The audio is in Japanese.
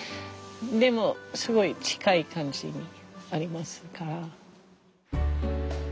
でもすごい近い感じありますから。